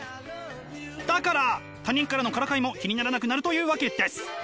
だから他人からのからかいも気にならなくなるというわけです！